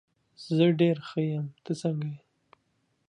زه ډېر ښه یم، ته څنګه یې؟